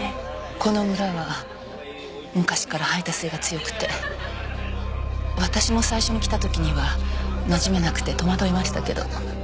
この村は昔から排他性が強くて私も最初に来た時にはなじめなくて戸惑いましたけど。